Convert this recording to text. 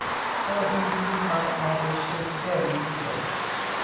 For indeed my anguish is very real.